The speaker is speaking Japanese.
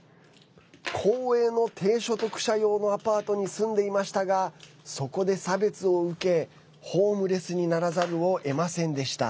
公営の低所得者用のアパートに住んでいましたがそこで差別を受け、ホームレスにならざるをえませんでした。